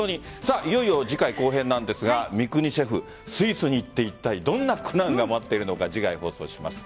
いよいよ次回後編なんですが三國シェフスイスに行っていったいどんな苦難が待っているのか次回、放送します。